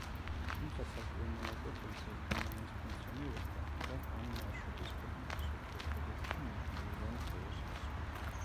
თუმცა ცალკეულ მონაკვეთებზე იგი მაინც ფუნქციონირებდა და ამ მარშრუტის ქვეყნების ურთიერთობებში მნიშვნელოვან როლს ასრულებდა.